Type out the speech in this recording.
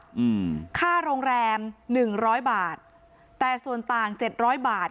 อืมค่าโรงแรมหนึ่งร้อยบาทแต่ส่วนต่างเจ็ดร้อยบาท